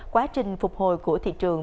quá trình phục hồi của thị trường